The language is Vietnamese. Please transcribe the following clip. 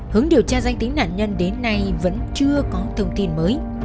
hướng điều tra danh tính nạn nhân đến nay vẫn chưa có thông tin mới